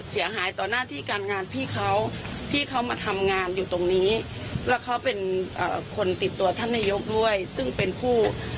เสียหายต่อหน้าที่การงานพี่เขาที่เขามาทำงานอยู่ตรงนี้แล้วเขาเป็นคนติดตัวท่านนายกด้วยซึ่งเป็นผู้